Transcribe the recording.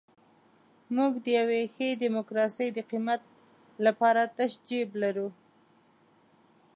موږ د یوې ښې ډیموکراسۍ د قیمت لپاره تش جیب لرو.